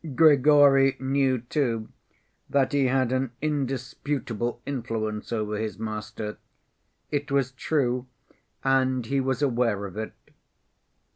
Grigory knew, too, that he had an indisputable influence over his master. It was true, and he was aware of it.